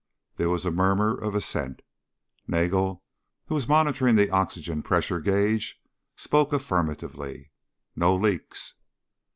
There was a murmur of assent. Nagel, who was monitoring the oxygen pressure gauge, spoke affirmatively. "No leaks."